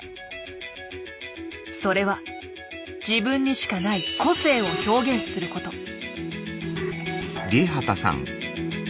それは自分にしかない個性を表現すること。